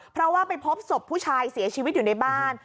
เพราะว่าไปพบศพผู้ชายเสียชีวิตอยู่ในบ้าน